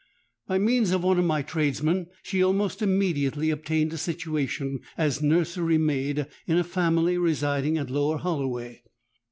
By means of one of my tradesmen she almost immediately obtained a situation as nursery maid in a family residing at Lower Holloway.